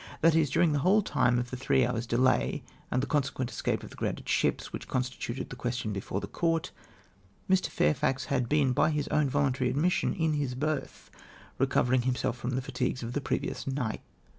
That is, during the whole of the three hours' delay, and the consequent escape of the grounded ships, Avhich consti tuted the question before the Court, ]\ir. Fairfax had been, by his own voluntary admission, in his berth, recovering himself from the fatigues of the previous nio ht.